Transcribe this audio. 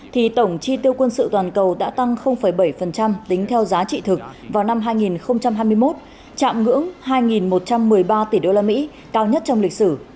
thì tổng chi tiêu quân sự toàn cầu đã tăng bảy tính theo giá trị thực vào năm hai nghìn hai mươi một chạm ngưỡng hai một trăm một mươi ba tỷ usd cao nhất trong lịch sử